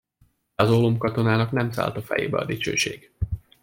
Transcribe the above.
De az ólomkatonának nem szállt a fejébe a dicsőség.